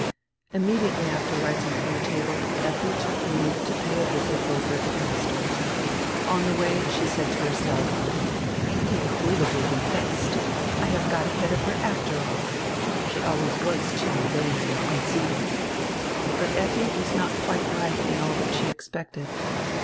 Immediately after rising from die table, Effi took leave to pay a visit over at die pastor's. On the way she said to herself: "I think Hulda will he vexed. I have got ahead of her after all. She always was too vain and conceited." But Effi was not quite right in all that she expected.